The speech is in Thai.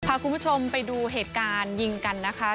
พาคุณผู้ชมไปดูเหตุการณ์ยิงกันนะคะ